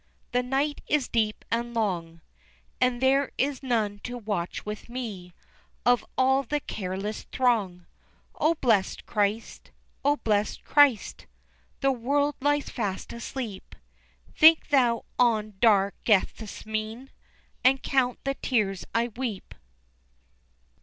The night is deep and long, And there is none to watch with me Of all the careless throng. O blessed Christ! O blessed Christ! The world lies fast asleep, Think Thou on dark Gethsemane And count the tears I weep.